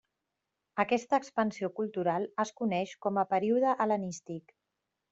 Aquesta expansió cultural es coneix com a període hel·lenístic.